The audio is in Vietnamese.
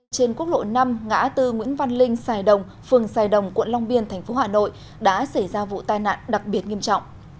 trên quốc lộ năm ngã tư nguyễn văn linh sài đồng phường sài đồng quận long biên tp hà nội đã xảy ra vụ tai nạn đặc biệt nghiêm trọng